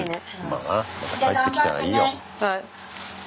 また帰ってきたらいいよ。